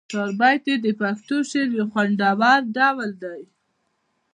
چهاربیتې د پښتو شعر یو خوندور ډول دی.